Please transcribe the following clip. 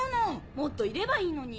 もっといればいいのに。